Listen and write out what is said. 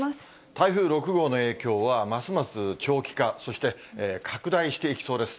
台風６号の影響はますます長期化、そして拡大していきそうです。